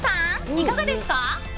いかがですか？